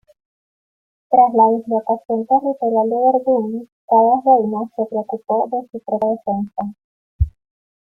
Tras la dislocación territorial de Verdún, cada reino se preocupó de su propia defensa.